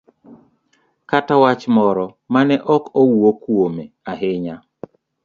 kata wach moro ma ne ok owuo kuome ahinya,